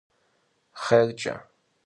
Xhêrç'e!